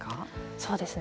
そうですね。